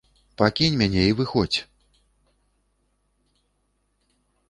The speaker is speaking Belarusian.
Пакінь мяне і выходзь!